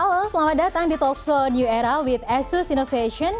halo selamat datang di talkshow new era with asus innovation